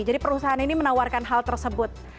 jadi perusahaan ini menawarkan hal tersebut